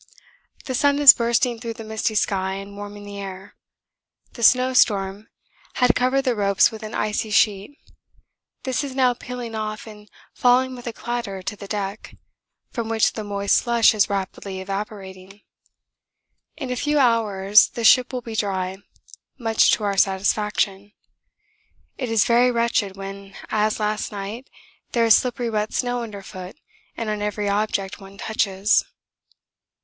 The sun is bursting through the misty sky and warming the air. The snowstorm had covered the ropes with an icy sheet this is now peeling off and falling with a clatter to the deck, from which the moist slush is rapidly evaporating. In a few hours the ship will be dry much to our satisfaction; it is very wretched when, as last night, there is slippery wet snow underfoot and on every object one touches.